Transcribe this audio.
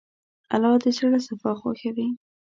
الله د زړه صفا خوښوي.